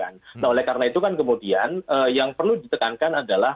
nah oleh karena itu kan kemudian yang perlu ditekankan adalah